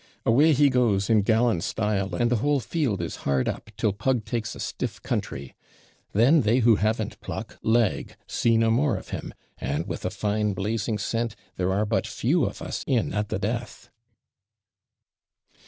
Away he goes in gallant style, and the whole field is hard up, till pug takes a stiff country; then they who haven't pluck lag, see no more of him, and, with a fine blazing scent, there are but few of us in at the death.'